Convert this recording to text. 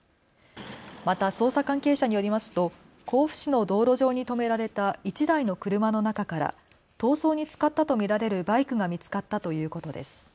また捜査関係者によりますと甲府市の道路上に止められた１台の車の中から逃走に使ったと見られるバイクが見つかったということです。